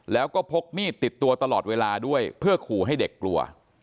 แล้วก็พกมีดติดตัวตลอดเวลาด้วยเพื่อขู่ให้เด็กกลัว